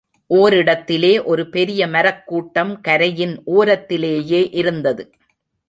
ஓரிடத்திலே ஒரு பெரிய மரக் கூட்டம் கரையின் ஓரத்திலேயே இருந்தது.